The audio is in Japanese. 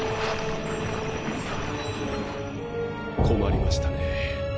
困りましたねえ